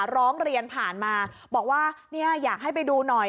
ร้องเรียนผ่านมาบอกว่าเนี่ยอยากให้ไปดูหน่อย